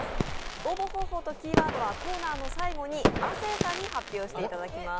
応募方法とキーワードは、コーナーの最後に亜生さんからご紹介いただきます。